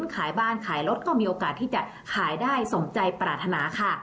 ขายบ้านขายรถก็มีโอกาสที่จะขายได้สมใจปรารถนาค่ะ